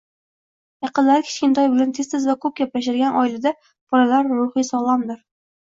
Yaqinlari kichkintoy bilan tez-tez va ko‘p gaplashadigan oilada bolalar ruhiy sog'lomdir.